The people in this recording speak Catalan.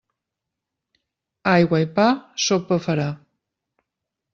Aigua i pa, sopa farà.